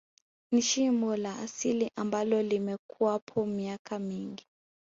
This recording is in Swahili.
Ni shimo la asili ambalo limekuwapo miaka mingi